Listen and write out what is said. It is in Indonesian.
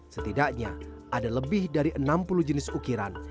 setidaknya ada lebih dari enam puluh jenis ukiran